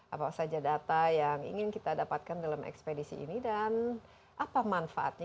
apa saja data yang ingin kita dapatkan dalam ekspedisi ini dan apa manfaatnya